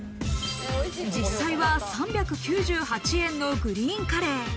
実際は３９８円のグリーンカレー。